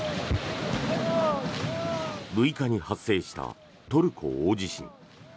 ６日に発生したトルコ大地震。